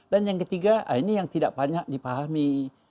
dan yang ketiga ini yang tidak banyak dipahami